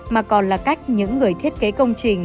mà còn là cách những người thiết kế công trình